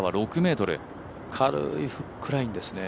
軽いフックラインですね。